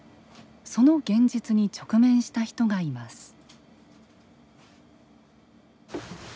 その現実に直面した人がいます。